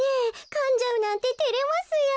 かんじゃうなんててれますよ。